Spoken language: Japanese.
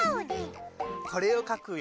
これを描くよ。